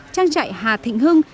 trang trại hà thịnh hưng